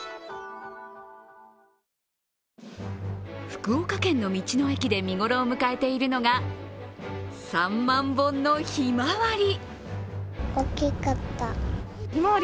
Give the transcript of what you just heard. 福岡県の道の駅で見頃を迎えているのが３万本のひまわり。